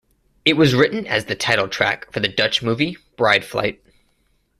It was written as the title track for the Dutch movie Bride Flight.